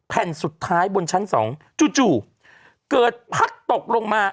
แผ่นสุดท้ายบนชั้นสองจู่เกิดพัดตกลงมา